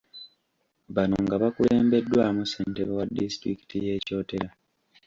Bano nga bakulembeddwamu ssentebe wa disitulikiti y’e Kyotera.